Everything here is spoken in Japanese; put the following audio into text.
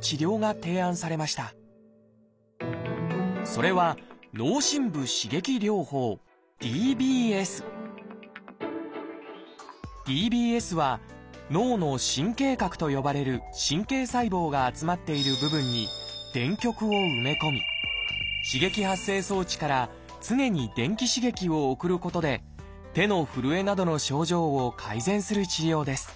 それは「ＤＢＳ」は脳の「神経核」と呼ばれる神経細胞が集まっている部分に電極を埋め込み刺激発生装置から常に電気刺激を送ることで手のふるえなどの症状を改善する治療です